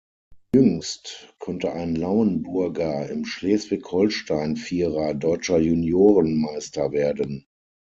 Jüngst konnte ein Lauenburger im Schleswig-Holstein-Vierer Deutscher Juniorenmeister werden.